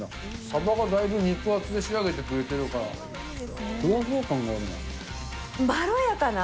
サバがだいぶ肉厚で仕上げてくれてるから、ふわふわ感があるな。